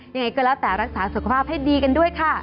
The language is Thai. ยังไงก็แล้วแต่รักษาสุขภาพให้ดีกันด้วยค่ะ